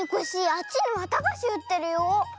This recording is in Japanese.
あっちにわたがしうってるよ。